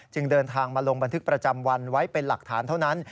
เดินทางมาลงบันทึกประจำวันไว้เป็นหลักฐานเท่านั้น